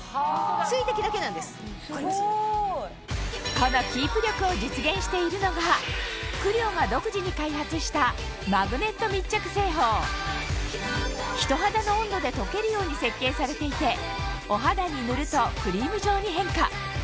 このキープ力を実現しているのがＣＬＩＯが独自に開発した人肌の温度で溶けるように設計されていてお肌に塗るとクリーム状に変化